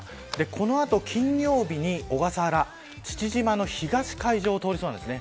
この後、金曜日に小笠原父島の東の海上を通りそうです。